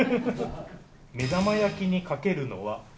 目玉焼きにかけるのは？